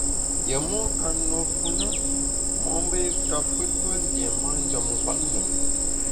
Yié mon ka nùe fu na mo’mbe i kape tue lié manjem nkwet lùm.